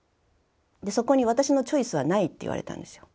そこに私のチョイスはないって言われたんですよ。